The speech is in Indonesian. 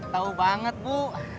tau banget bu